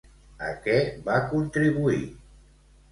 A què va contribuir?